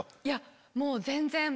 いやもう全然。